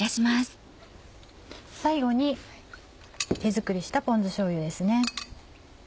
最後に手作りしたポン酢しょうゆですね。